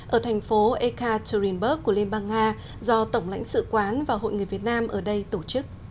ở thành phố ekaterinburg của liên bang nga do tổng lãnh sự quán và hội người việt nam ở đây tổ chức